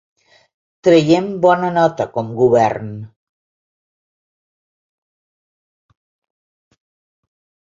Traiem bona nota com govern.